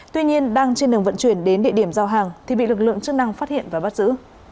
tuy nhiên đang trên đường vận chuyển đến địa điểm giao hàng thì bị lực lượng chức năng phát hiện và bắt giữ